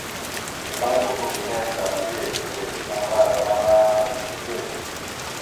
Alaŋbava ge nehe ka mbiyez tezligeɗ aŋgar ara mitiʉwesh.